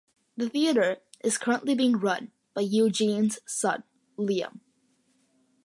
The theatre is currently being run by Eugene's son, Liam.